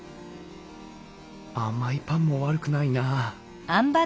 甘いパンも悪くないな。